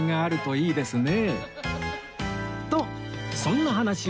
いいですね。